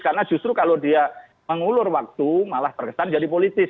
karena justru kalau dia mengulur waktu malah terkesan jadi politis